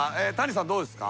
これどうですか？